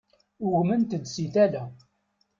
Ugment-d si tala.